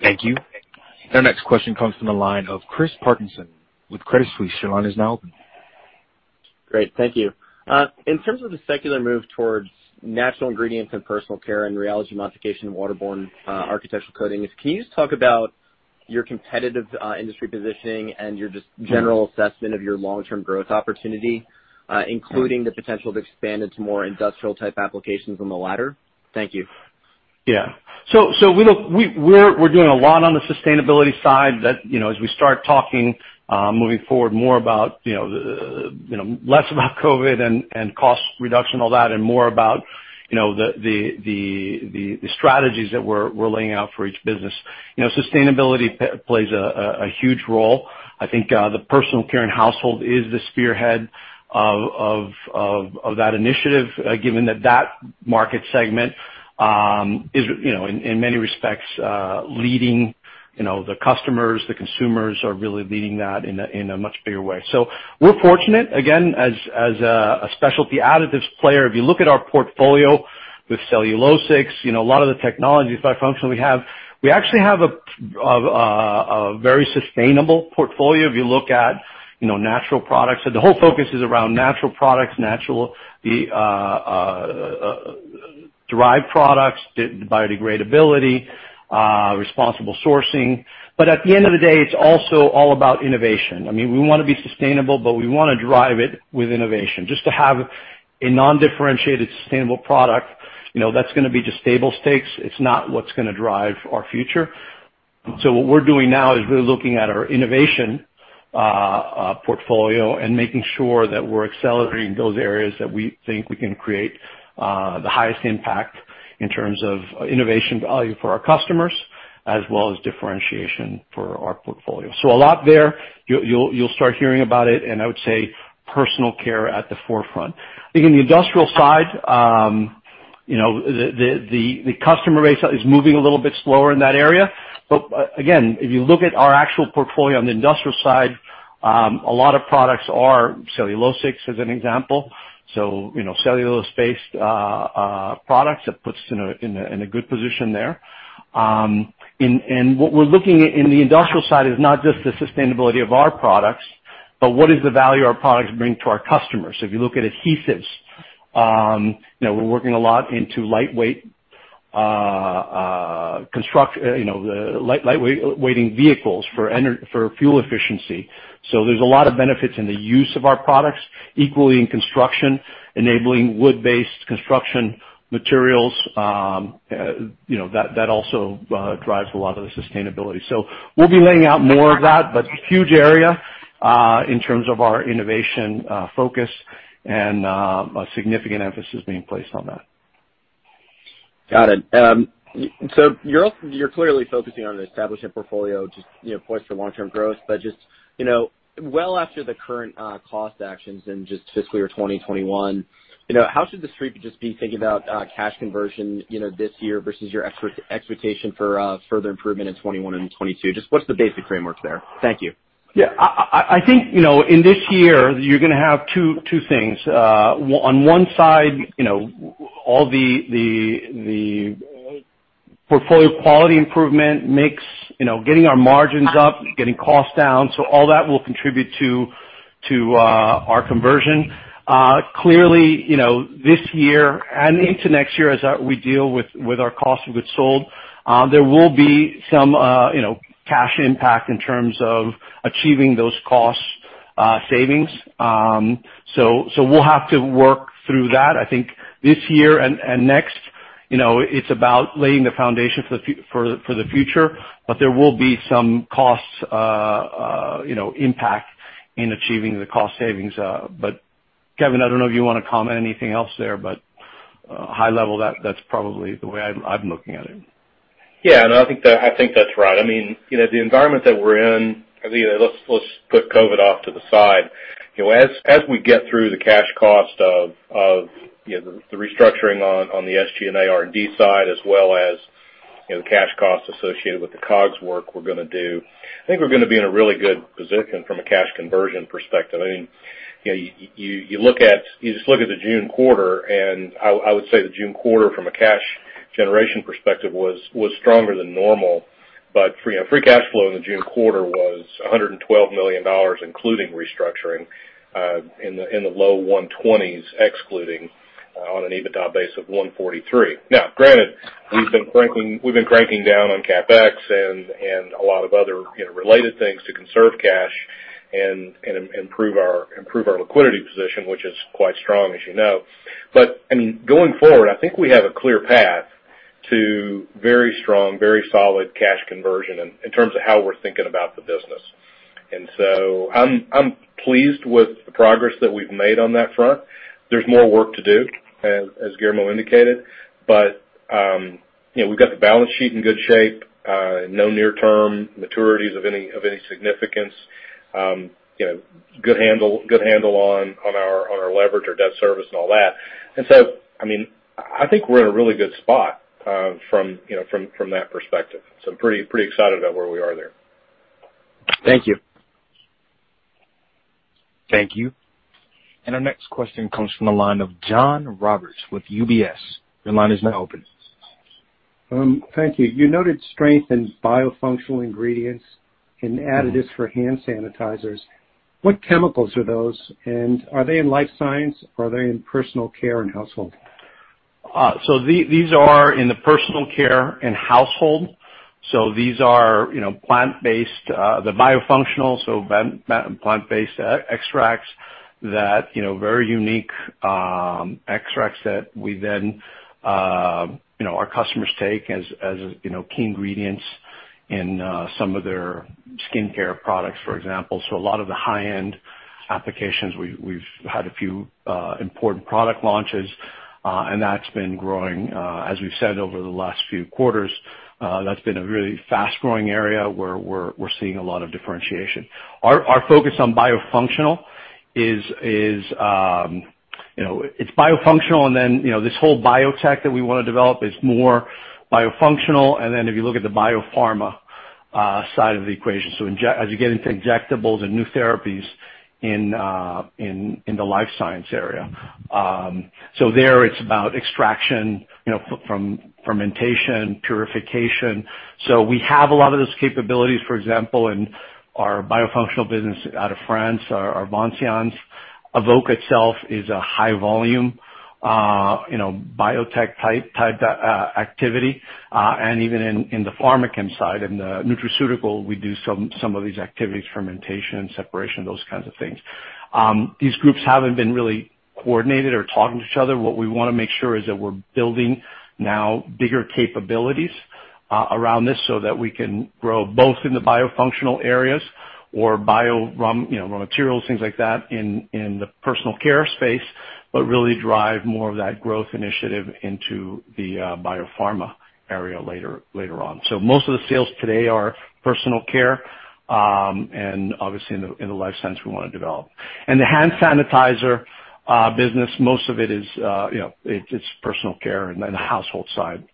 Thank you. Our next question comes from the line of Chris Parkinson with Credit Suisse. Your line is now open. Great. Thank you. In terms of the secular move towards natural ingredients in personal care and rheology modification in waterborne architectural coatings, can you just talk about your competitive industry positioning and your just general assessment of your long-term growth opportunity, including the potential to expand into more industrial type applications on the latter? Thank you. We're doing a lot on the sustainability side that, as we start talking, moving forward more about, less about COVID and cost reduction, all that, and more about the strategies that we're laying out for each business. Sustainability plays a huge role. I think the Personal Care and Household is the spearhead of that initiative, given that that market segment, in many respects, leading the customers, the consumers are really leading that in a much bigger way. We're fortunate, again, as a Specialty Additives player. If you look at our portfolio with cellulosics, a lot of the technologies by function we have, we actually have a very sustainable portfolio. If you look at natural products. The whole focus is around natural products, naturally derived products, biodegradability, responsible sourcing. At the end of the day, it's also all about innovation. We want to be sustainable, but we want to drive it with innovation. Just to have a non-differentiated sustainable product, that's going to be just table stakes. It's not what's going to drive our future. What we're doing now is really looking at our innovation portfolio and making sure that we're accelerating those areas that we think we can create the highest impact in terms of innovation value for our customers, as well as differentiation for our portfolio. A lot there. You'll start hearing about it, and I would say personal care at the forefront. I think in the industrial side, the customer base is moving a little bit slower in that area. Again, if you look at our actual portfolio on the industrial side, a lot of products are cellulosics, as an example. Cellulose-based products, that puts us in a good position there. What we're looking at in the industrial side is not just the sustainability of our products, but what is the value our products bring to our customers? If you look at adhesives, we're working a lot into lightweighting vehicles for fuel efficiency. There's a lot of benefits in the use of our products, equally in construction, enabling wood-based construction materials. That also drives a lot of the sustainability. We'll be laying out more of that, but huge area in terms of our innovation focus and a significant emphasis being placed on that. Got it. You're clearly focusing on establishing portfolio to voice for long-term growth, but just well after the current cost actions in just fiscal year 2021, how should the street just be thinking about cash conversion this year versus your expectation for further improvement in 2021 and 2022? Just what's the basic framework there? Thank you. I think, in this year, you're going to have two things. On one side, all the portfolio quality improvement mix, getting our margins up, getting costs down. All that will contribute to our conversion. Clearly, this year and into next year, as we deal with our cost of goods sold, there will be some cash impact in terms of achieving those cost savings. We'll have to work through that. I think this year and next, it's about laying the foundation for the future, but there will be some cost impact in achieving the cost savings. Kevin, I don't know if you want to comment anything else there, but high level, that's probably the way I'm looking at it. Yeah, no, I think that's right. The environment that we're in, let's put COVID off to the side. As we get through the cash cost of the restructuring on the SG&A, R&D side, as well as the cash costs associated with the COGS work we're going to do, I think we're going to be in a really good position from a cash conversion perspective. You just look at the June quarter, I would say the June quarter from a cash generation perspective was stronger than normal. Free cash flow in the June quarter was $112 million, including restructuring, in the low 120s, excluding on an EBITDA base of $143 million. Granted, we've been cranking down on CapEx and a lot of other related things to conserve cash and improve our liquidity position, which is quite strong as you know. Going forward, I think we have a clear path to very strong, very solid cash conversion in terms of how we're thinking about the business. I'm pleased with the progress that we've made on that front. There's more work to do, as Guillermo indicated, but we've got the balance sheet in good shape. No near term maturities of any significance. Good handle on our leverage, our debt service and all that. I think we're in a really good spot from that perspective. I'm pretty excited about where we are there. Thank you. Thank you. Our next question comes from the line of John Roberts with UBS. Your line is now open. Thank you. You noted strength in biofunctional ingredients and additives for hand sanitizers. What chemicals are those? Are they in Life Science or are they in Personal Care and Household? These are in the Personal Care and Household. These are plant-based, the biofunctional, plant-based extracts that, very unique extracts that our customers take as key ingredients in some of their skincare products, for example. A lot of the high-end applications, we've had a few important product launches, and that's been growing. As we've said over the last few quarters, that's been a really fast-growing area where we're seeing a lot of differentiation. Our focus on biofunctional is biofunctional, this whole biotech that we want to develop is more biofunctional. If you look at the biopharma side of the equation. As you get into injectables and new therapies in the Life Science area. There it's about extraction from fermentation, purification. We have a lot of those capabilities, for example, in our biofunctional business out of France, our Vincience. Avoca itself is a high volume biotech-type activity. Even in the Pharmachem side, in the nutraceutical, we do some of these activities, fermentation, separation, those kinds of things. These groups haven't been really coordinated or talking to each other. What we want to make sure is that we're building now bigger capabilities around this so that we can grow both in the biofunctional areas or raw materials, things like that, in the personal care space, but really drive more of that growth initiative into the biopharma area later on. Most of the sales today are Personal Care, and obviously in the Life Science we want to develop. The hand sanitizer business, most of it is Personal Care and the Household side.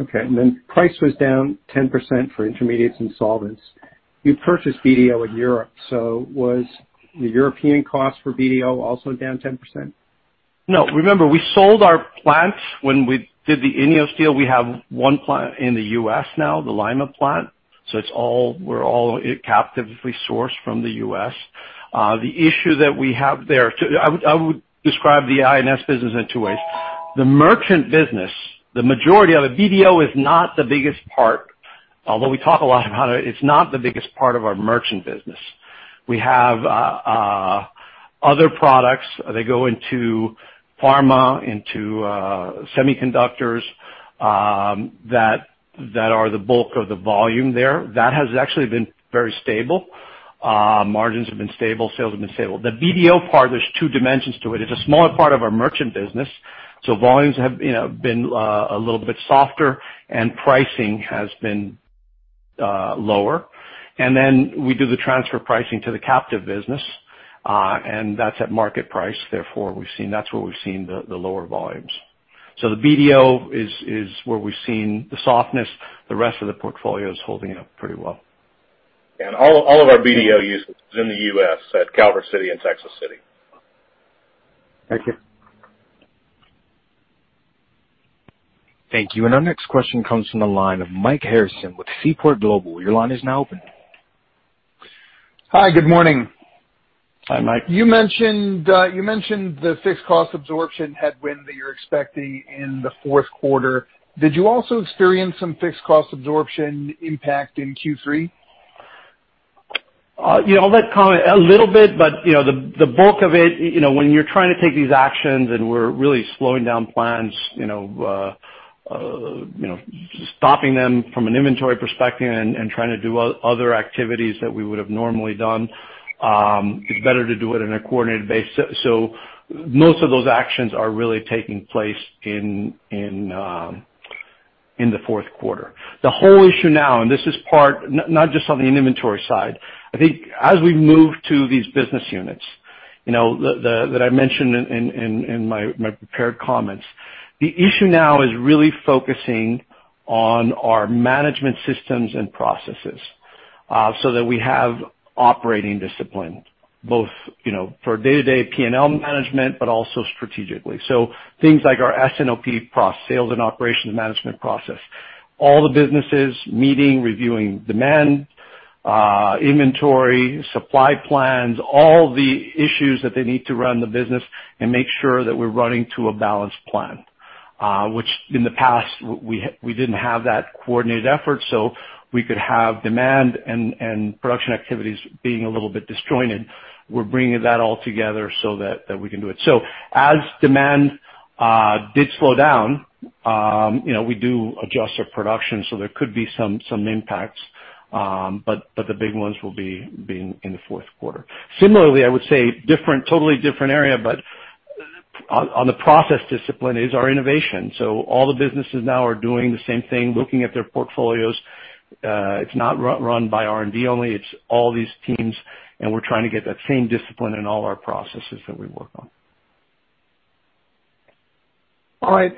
Okay. Price was down 10% for Intermediates and Solvents. You purchased BDO in Europe, was the European cost for BDO also down 10%? Remember, we sold our plants when we did the INEOS deal. We have one plant in the U.S. now, the Lima plant. We're all captively sourced from the U.S. The issue that we have there. I would describe the I&S business in two ways. The merchant business, the majority of it, BDO is not the biggest part. Although we talk a lot about it's not the biggest part of our merchant business. We have other products that go into pharma, into semiconductors, that are the bulk of the volume there. That has actually been very stable. Margins have been stable, sales have been stable. The BDO part, there's two dimensions to it. It's a smaller part of our merchant business. Volumes have been a little bit softer and pricing has been lower. Then we do the transfer pricing to the captive business, and that's at market price. Therefore, that's where we've seen the lower volumes. The BDO is where we've seen the softness. The rest of the portfolio is holding up pretty well. All of our BDO usage is in the U.S. at Calvert City and Texas City. Thank you. Thank you. Our next question comes from the line of Mike Harrison with Seaport Global. Your line is now open. Hi, good morning. Hi, Mike. You mentioned the fixed cost absorption headwind that you're expecting in the fourth quarter. Did you also experience some fixed cost absorption impact in Q3? I'll let comment a little bit, but the bulk of it, when you're trying to take these actions and we're really slowing down plans, stopping them from an inventory perspective and trying to do other activities that we would have normally done. It's better to do it in a coordinated basis. Most of those actions are really taking place in the fourth quarter. The whole issue now, and this is part not just on the inventory side, I think as we move to these business units that I mentioned in my prepared comments. The issue now is really focusing on our management systems and processes, so that we have operating discipline, both for day-to-day P&L management, but also strategically. Things like our S&OP process, sales and operations management process. All the businesses meeting, reviewing demand, inventory, supply plans, all the issues that they need to run the business and make sure that we're running to a balanced plan. Which in the past, we didn't have that coordinated effort, we could have demand and production activities being a little bit disjointed. We're bringing that all together so that we can do it. As demand did slow down, we do adjust our production. There could be some impacts, but the big ones will be in the fourth quarter. Similarly, I would say totally different area, but on the process discipline is our innovation. All the businesses now are doing the same thing, looking at their portfolios. It's not run by R&D only, it's all these teams, we're trying to get that same discipline in all our processes that we work on. All right.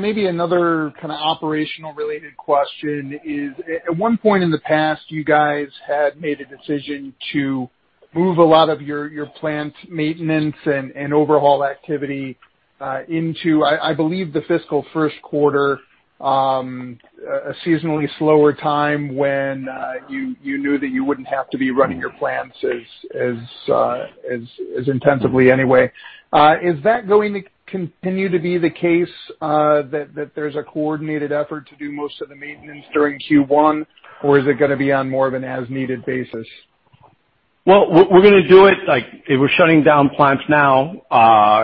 Maybe another kind of operational-related question is, at one point in the past, you guys had made a decision to move a lot of your plant maintenance and overhaul activity into, I believe the fiscal first quarter, a seasonally slower time when you knew that you wouldn't have to be running your plants as intensively anyway. Is that going to continue to be the case, that there's a coordinated effort to do most of the maintenance during Q1, or is it going to be on more of an as needed basis? Well, we're going to do it like we're shutting down plants now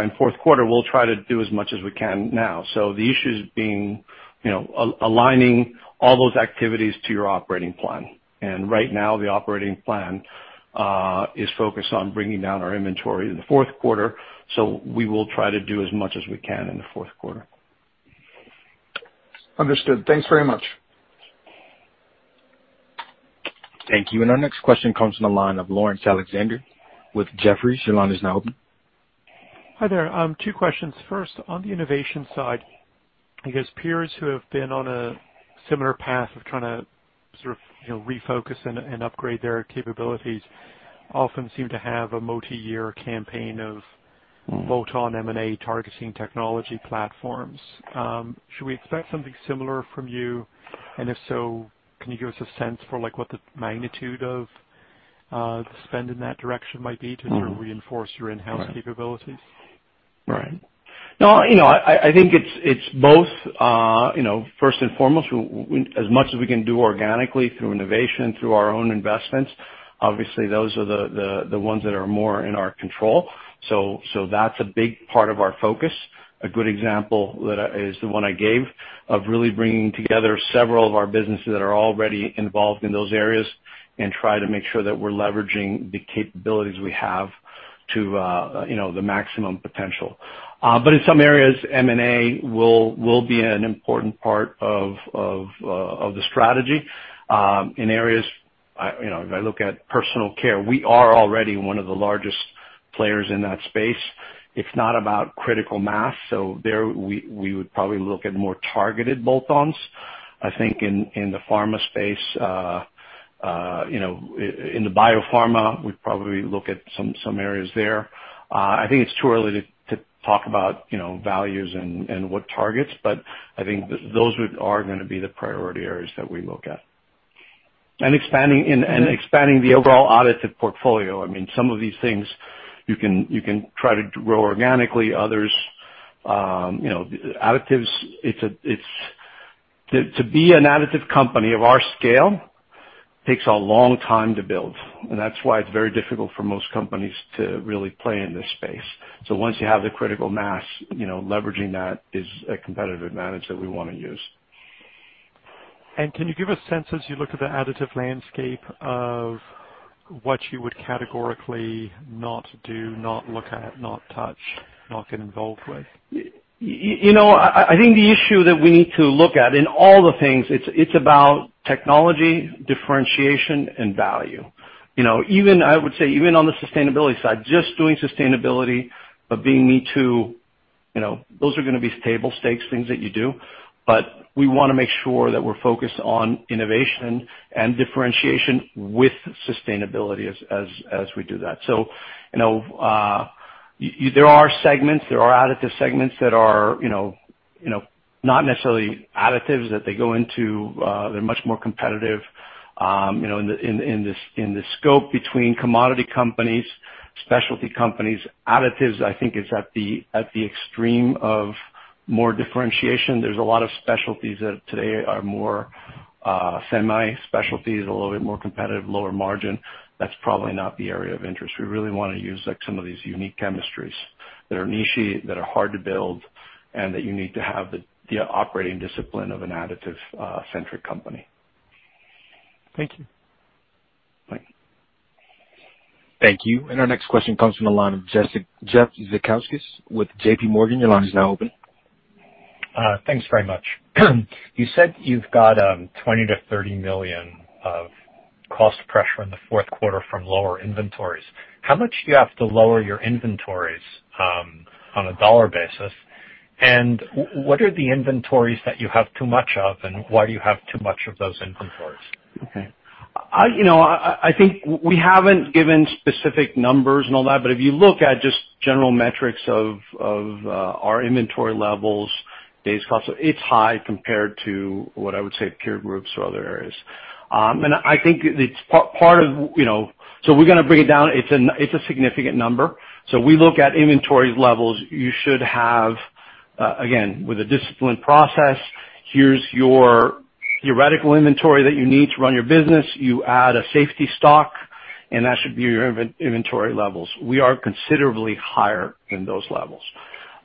in fourth quarter. We'll try to do as much as we can now. The issue is aligning all those activities to your operating plan. Right now, the operating plan is focused on bringing down our inventory in the fourth quarter. We will try to do as much as we can in the fourth quarter. Understood. Thanks very much. Thank you. Our next question comes from the line of Laurence Alexander with Jefferies. Your line is now open. Hi there. Two questions. First, on the innovation side, I guess peers who have been on a similar path of trying to sort of refocus and upgrade their capabilities often seem to have a multi-year campaign of bolt-on M&A targeting technology platforms. Should we expect something similar from you? If so, can you give us a sense for what the magnitude of the spend in that direction might be to sort of reinforce your in-house capabilities? Right. No, I think it's both. First and foremost, as much as we can do organically through innovation, through our own investments, obviously those are the ones that are more in our control. That's a big part of our focus. A good example is the one I gave of really bringing together several of our businesses that are already involved in those areas and try to make sure that we're leveraging the capabilities we have to the maximum potential. In some areas, M&A will be an important part of the strategy. In areas, if I look at Personal Care, we are already one of the largest players in that space. It's not about critical mass. There we would probably look at more targeted bolt-ons. I think in the pharma space, in the biopharma, we'd probably look at some areas there. I think it's too early to talk about values and what targets, but I think those are going to be the priority areas that we look at and expanding the overall additive portfolio. I mean, some of these things you can try to grow organically. Others, additives, to be an additive company of our scale takes a long time to build, and that's why it's very difficult for most companies to really play in this space. Once you have the critical mass, leveraging that is a competitive advantage that we want to use. Can you give a sense as you look at the additive landscape of what you would categorically not do, not look at, not touch, not get involved with? I think the issue that we need to look at in all the things, it's about technology, differentiation, and value. I would say even on the sustainability side, just doing sustainability, but being me too, those are going to be table stakes things that you do. We want to make sure that we're focused on innovation and differentiation with sustainability as we do that. There are additive segments that are not necessarily additives that they go into. They're much more competitive in the scope between commodity companies, specialty companies. Additives, I think, is at the extreme of more differentiation. There's a lot of specialties that today are more semi specialties, a little bit more competitive, lower margin. That's probably not the area of interest. We really want to use some of these unique chemistries that are nichey, that are hard to build, and that you need to have the operating discipline of an additive-centric company. Thank you. Bye. Thank you. Our next question comes from the line of Jeff Zekauskas with JPMorgan. Your line is now open. Thanks very much. You said you've got $20 million-$30 million of cost pressure in the fourth quarter from lower inventories. How much do you have to lower your inventories, on a dollar basis, and what are the inventories that you have too much of, and why do you have too much of those inventories? Okay. I think we haven't given specific numbers and all that, but if you look at just general metrics of our inventory levels, days cost, it's high compared to what I would say peer groups or other areas. We're going to bring it down. It's a significant number. We look at inventory levels you should have. Again, with a disciplined process, here's your theoretical inventory that you need to run your business. You add a safety stock, and that should be your inventory levels. We are considerably higher than those levels.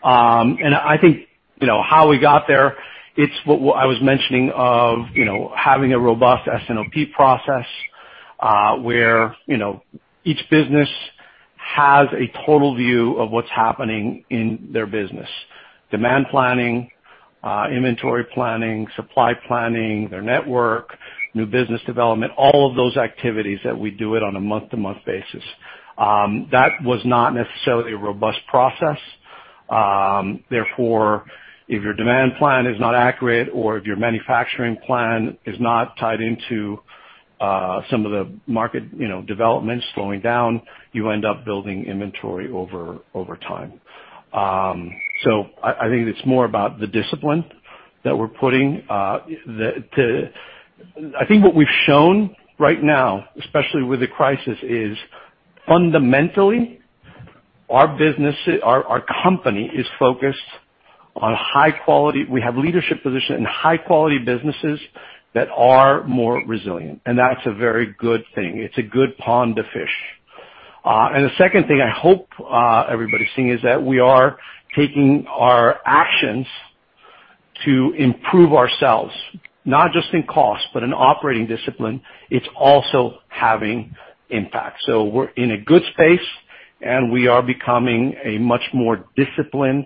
I think, how we got there, it's what I was mentioning of having a robust S&OP process, where each business has a total view of what's happening in their business. Demand planning, inventory planning, supply planning, their network, new business development, all of those activities that we do it on a month-to-month basis. If your demand plan is not accurate or if your manufacturing plan is not tied into some of the market developments slowing down, you end up building inventory over time. I think it's more about the discipline that we're putting. I think what we've shown right now, especially with the crisis, is fundamentally our company is focused on high quality. We have leadership position in high-quality businesses that are more resilient, that's a very good thing. It's a good pond to fish. The second thing I hope everybody's seeing is that we are taking our actions to improve ourselves, not just in cost, but in operating discipline. It's also having impact. We're in a good space. We are becoming a much more disciplined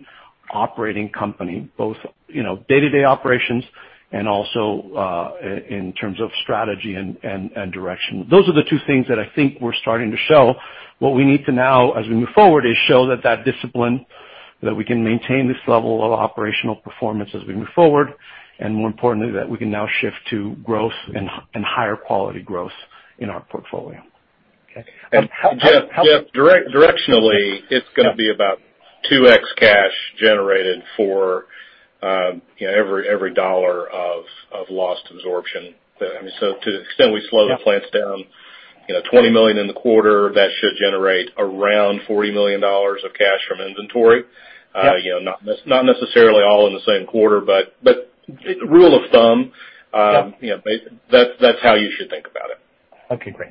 operating company, both day-to-day operations and also in terms of strategy and direction. Those are the two things that I think we're starting to show. What we need to now, as we move forward, is show that discipline, that we can maintain this level of operational performance as we move forward, and more importantly, that we can now shift to growth and higher quality growth in our portfolio. Okay. Jeff, directionally, it's gonna be about 2x cash generated for every dollar of lost absorption. To the extent we slow the plants down, $20 million in the quarter, that should generate around $40 million of cash from inventory. Yeah. Not necessarily all in the same quarter, but rule of thumb. Yeah. That's how you should think about it. Okay, great.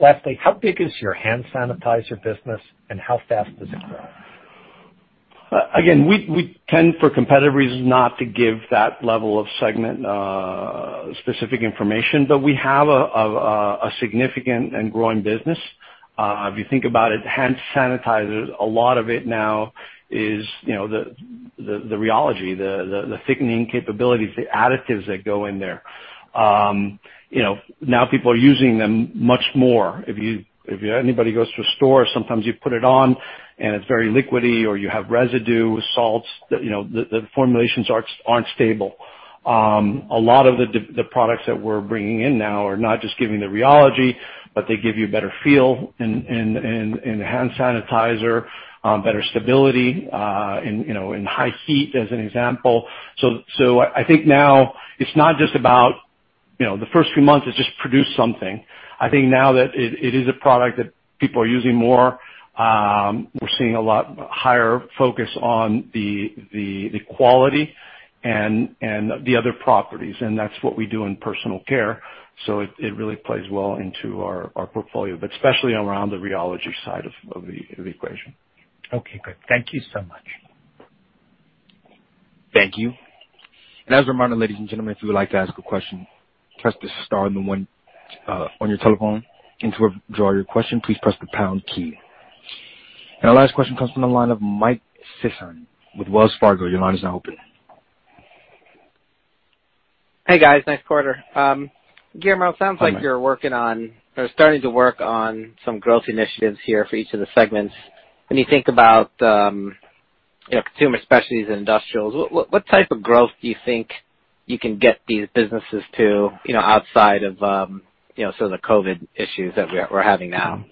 Lastly, how big is your hand sanitizer business and how fast does it grow? We tend, for competitive reasons, not to give that level of segment-specific information, but we have a significant and growing business. If you think about it, hand sanitizers, a lot of it now is the rheology, the thickening capabilities, the additives that go in there. People are using them much more. If anybody goes to a store, sometimes you put it on and it's very liquidy, or you have residue, salts, the formulations aren't stable. A lot of the products that we're bringing in now are not just giving the rheology, but they give you a better feel in hand sanitizer, better stability in high heat, as an example. I think now it's not just about the first few months, it's just produce something. I think now that it is a product that people are using more, we're seeing a lot higher focus on the quality and the other properties, and that's what we do in Personal Care. It really plays well into our portfolio, but especially around the rheology side of the equation. Okay, good. Thank you so much. Thank you. As a reminder, ladies and gentlemen, if you would like to ask a question, press the star and the one on your telephone, and to withdraw your question, please press the pound key. Our last question comes from the line of Mike Sison with Wells Fargo. Your line is now open. Hey, guys, nice quarter. Hi, Mike. Guillermo, sounds like you're starting to work on some growth initiatives here for each of the segments. When you think about Consumer Specialties and Industrials, what type of growth do you think you can get these businesses to outside of the COVID issues that we're having now?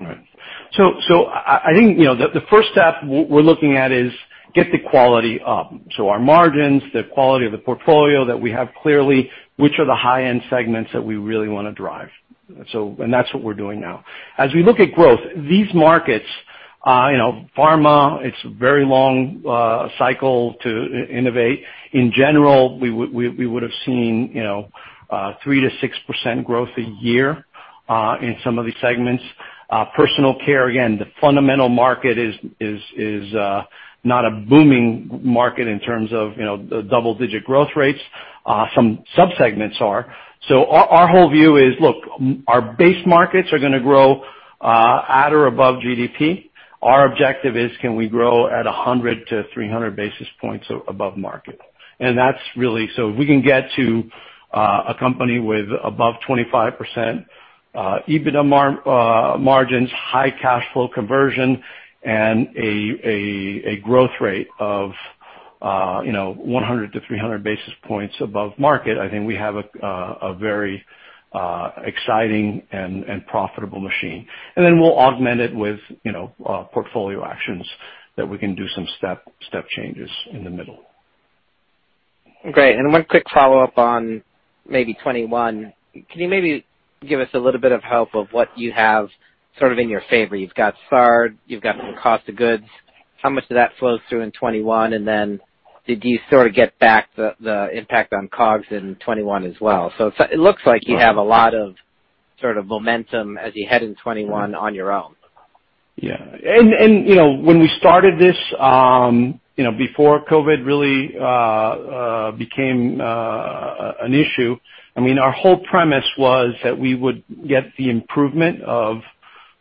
I think the first step we're looking at is get the quality up. Our margins, the quality of the portfolio that we have clearly, which are the high-end segments that we really want to drive. That's what we're doing now. As we look at growth, these markets, pharma, it's a very long cycle to innovate. In general, we would've seen 3%-6% growth a year in some of these segments. Personal care, again, the fundamental market is not a booming market in terms of double-digit growth rates. Some sub-segments are. Our whole view is, look, our base markets are gonna grow at or above GDP. Our objective is, can we grow at 100 basis points-300 basis points above market? If we can get to a company with above 25% EBITDA margins, high cash flow conversion, and a growth rate of 100 basis points-300 basis points above market, I think we have a very exciting and profitable machine. We'll augment it with portfolio actions that we can do some step changes in the middle. Great. One quick follow-up on maybe 2021. Can you maybe give us a little bit of help of what you have sort of in your favor? You've got SARD, you've got some cost of goods. How much of that flows through in 2021? Then did you sort of get back the impact on COGS in 2021 as well? It looks like you have a lot of sort of momentum as you head in 2021 on your own. Yeah. When we started this, before COVID really became an issue, our whole premise was that we would get the improvement of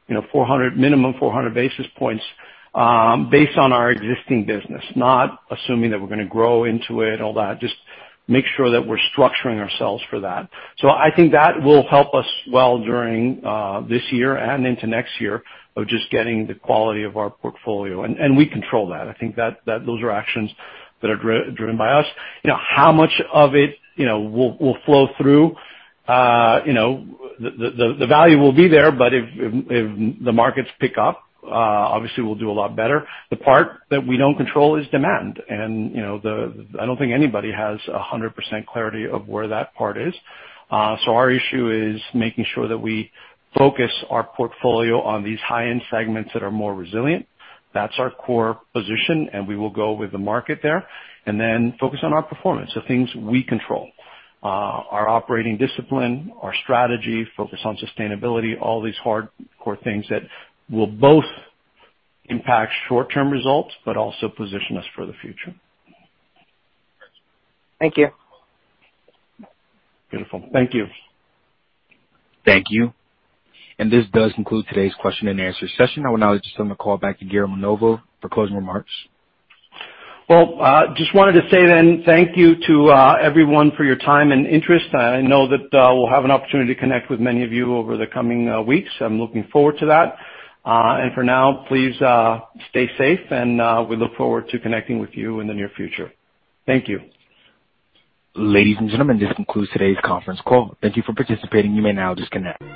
minimum 400 basis points, based on our existing business, not assuming that we're going to grow into it, all that. Just make sure that we're structuring ourselves for that. I think that will help us well during this year and into next year, of just getting the quality of our portfolio. We control that. I think those are actions that are driven by us. How much of it will flow through? The value will be there, but if the markets pick up, obviously we'll do a lot better. The part that we don't control is demand. I don't think anybody has 100% clarity of where that part is. Our issue is making sure that we focus our portfolio on these high-end segments that are more resilient. That's our core position, and we will go with the market there, and then focus on our performance, the things we control. Our operating discipline, our strategy, focus on sustainability, all these hardcore things that will both impact short-term results, but also position us for the future. Thank you. Beautiful. Thank you. Thank you. This does conclude today's question-and-answer session. I will now just turn the call back to Guillermo Novo for closing remarks. Well, just wanted to say, then, thank you to everyone for your time and interest. I know that we'll have an opportunity to connect with many of you over the coming weeks. I'm looking forward to that. For now, please stay safe, and we look forward to connecting with you in the near future. Thank you. Ladies and gentlemen, this concludes today's conference call. Thank you for participating. You may now disconnect.